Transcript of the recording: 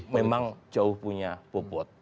memang jauh punya bobot